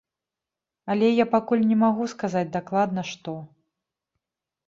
Але я пакуль не магу сказаць дакладна, што.